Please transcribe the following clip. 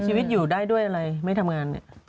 ชีวิตอยู่ได้ด้วยอะไรไม่ทำงานเนี่ย